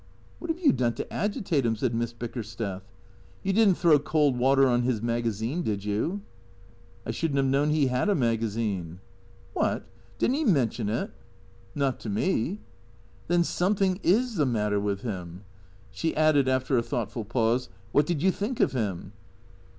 " AVhat have you done to agitate him ?" said Miss Bickersteth. "You didn't throw cold water on his magazine, did you? "" I should n't have known he had a magazine." " Wliat ? Did n't he mention it ?"" Not to me." " Then something is the matter with him." She added, after a thoughtful pause, "What did you think of him?